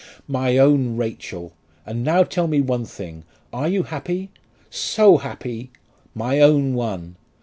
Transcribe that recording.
"My own Rachel! And now tell me one thing: are you happy?" "So happy!" "My own one!"